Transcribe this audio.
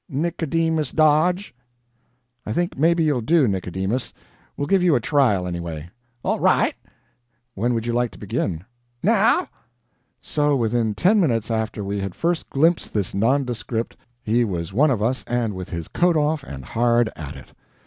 "Nicodemus Dodge." "I think maybe you'll do, Nicodemus. We'll give you a trial, anyway." "All right." "When would you like to begin?" "Now." So, within ten minutes after we had first glimpsed this nondescript he was one of us, and with his coat off and hard at it.